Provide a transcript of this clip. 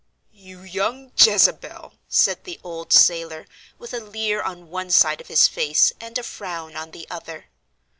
"You young Jezebel!" said the old sailor, with a leer on one side of his face, and a frown on the other.